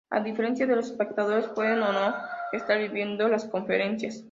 A diferencia de los espectadores, pueden o no estar viendo las conferencias.